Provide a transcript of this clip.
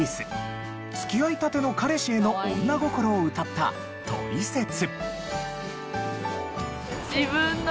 付き合いたての彼氏への女心を歌った『トリセツ』。